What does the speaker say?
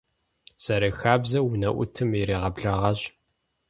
Зэрыхабзэу унэӀутым иригъэблэгъащ.